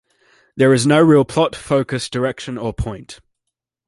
There is no real plot, focus, direction or point.